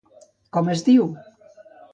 Com es diu?